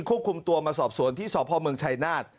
ควบคุมตัวมาสอบสวนที่สพเมืองชายนาฏ